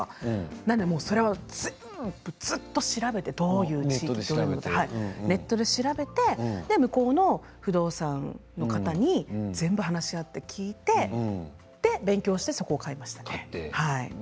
それは、ずっと調べてどういう地域とかネットで調べて向こうの不動産の方に全部、話し合って聞いて勉強してそこを買いましたね。